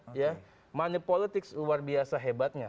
manipulasi politik luar biasa hebatnya